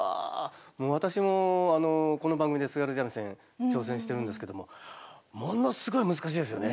私もこの番組で津軽三味線挑戦してるんですけどもものすごい難しいですよね。